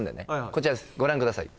こちらですご覧ください